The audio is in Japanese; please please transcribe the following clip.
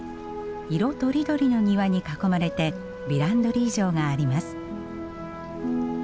色とりどりの庭に囲まれてヴィランドリー城があります。